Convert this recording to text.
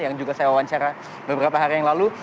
yang juga saya wawancara beberapa hari yang lalu